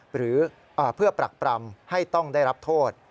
หรือเพื่อปรักปรำให้ต้องได้รับโทษ